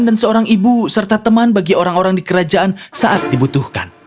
dan seorang ibu serta teman bagi orang orang di kerajaan saat dibutuhkan